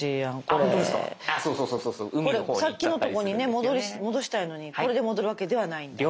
これさっきのとこに戻したいのにこれで戻るわけではないんだ。